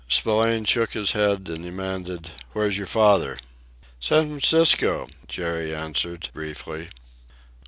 Spillane shook his head, and demanded, "Where's your father?" "San Francisco," Jerry answered, briefly.